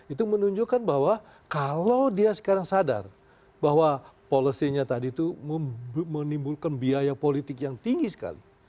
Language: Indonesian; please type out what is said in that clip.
itu menunjukkan bahwa kalau dia sekarang sadar bahwa policy nya tadi itu menimbulkan biaya politik yang tinggi sekali